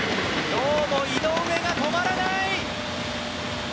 今日も井上が止まらない！